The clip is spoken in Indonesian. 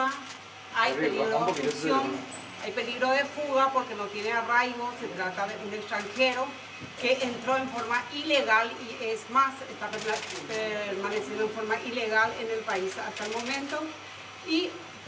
ada bahaya di pembunuh